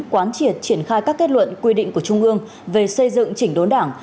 quán triệt triển khai các kết luận quy định của trung ương về xây dựng chỉnh đốn đảng